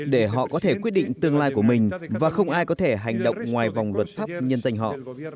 để họ có thể quyết định tương lai của mình và không ai có thể hành động ngoài vòng luật pháp nhân danh họ